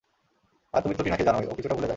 আর তুমি তো টিনাকে জানোই, ও কিছুটা ভুলে যায়।